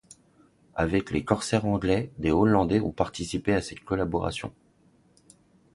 Avec les corsaires anglais, des hollandais ont participé à cette collaboration.